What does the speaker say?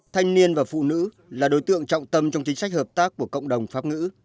thanh niên và phụ nữ là đối tượng trọng tâm trong chính sách hợp tác của cộng đồng pháp ngữ